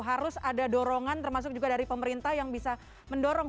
harus ada dorongan termasuk juga dari pemerintah yang bisa mendorong